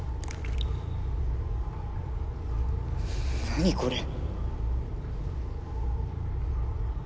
何これ。